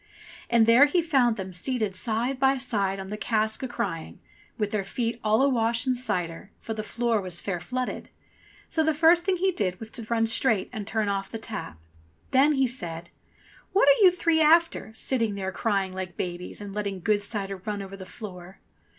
And there he found them seated side by side on the cask a crying, with their feet all a wash in cider, for the floor was fair flooded. So the first thing he did was to run straight and turn off the tap. Then he said : io6 ENGLISH FAIRY TALES "What are you three after, sitting there crying Hke babies, and letting good cider run over the floor